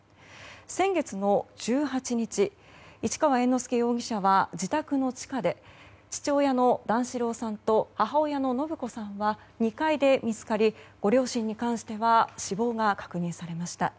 先月の１８日市川猿之助容疑者は自宅の地下で父親の段四郎さんと母親の延子さんは２階で見つかりご両親に関しては死亡が確認されました。